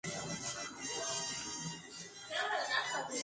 El tráiler se adjuntó inicial y exclusivamente a "Night at the Museum".